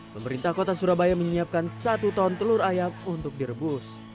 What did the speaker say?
pemerintah kota surabaya menyiapkan satu ton telur ayam untuk direbus